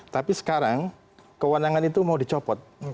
tapi sekarang kewenangan itu mau dicopot